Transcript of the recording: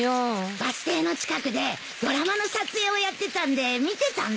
バス停の近くでドラマの撮影をやってたんで見てたんだ。